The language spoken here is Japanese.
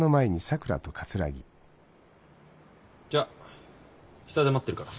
じゃ下で待ってるから。